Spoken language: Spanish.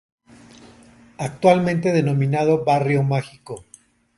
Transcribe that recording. Actualmente denominado barrio mágico.